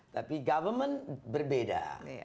tapi government berbeda